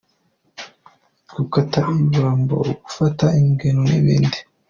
Gukata ibitambaro, gufata ingero n’ ibindi”.